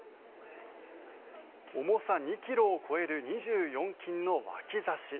重さ２ｋｇを超える２４金の脇差し。